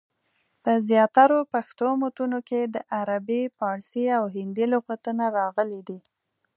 په زیاترو پښتو متونو کي دعربي، پاړسي، او هندي لغتونه راغلي دي.